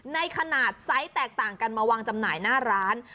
ในขนาดไซส์แตกต่างกันมาวางจำหน่ายหน้าร้าน